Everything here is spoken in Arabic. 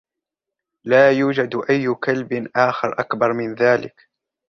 لا يوجد أي كلب آخر أكبر من ذلك.